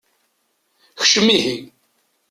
Kcem ihi.